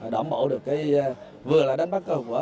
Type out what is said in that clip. đảm bảo được vừa là đánh bắt cơ hội